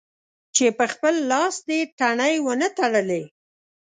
چې په خپل لاس دې تڼۍ و نه تړلې.